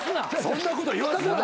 そんなこと言わすな。